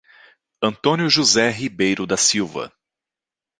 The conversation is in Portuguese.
Antônio José Ribeiro da Silva